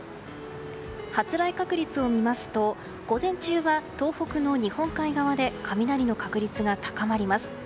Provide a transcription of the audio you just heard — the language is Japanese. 発雷確率を見ますと午前中は東北の日本海側で雷の確率が高まります。